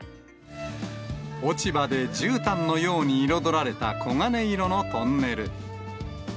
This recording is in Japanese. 落ち葉でじゅうたんのように彩られた、黄金色のトンネル。